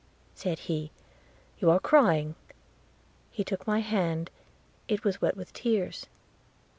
said he, 'you are crying!' He took my hand, it was wet with tears.'